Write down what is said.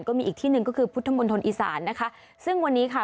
ก็มีอีกที่หนึ่งก็คือพุทธมณฑลอีสานนะคะซึ่งวันนี้ค่ะ